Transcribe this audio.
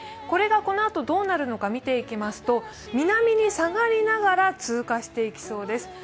これがこのあとどうなるのか見ていきますと南に下がりながら通過していきそうです。